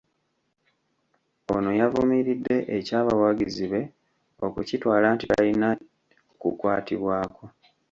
Ono yavumiridde eky’abawagizi be okukitwala nti talina kukwatibwako.